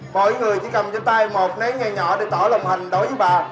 mỗi người chỉ cầm trên tay một nấy ngay nhỏ để tỏ lòng hành đối với bà